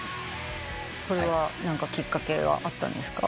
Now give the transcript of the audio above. これは何かきっかけはあったんですか？